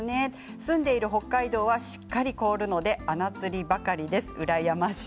住んでいる北海道は、しっかり凍るので穴釣りばかりです。